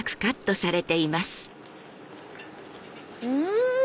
うん！